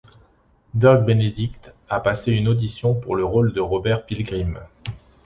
Dirk Benedict a passé une audition pour le rôle de Robert Pilgrim.